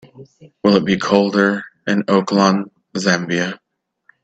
Will it be colder in Oaklawn Zambia?